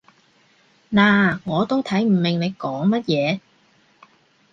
嗱，我都睇唔明你講乜嘢